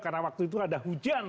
karena waktu itu ada hujan